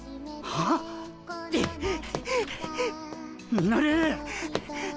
ミノルっ。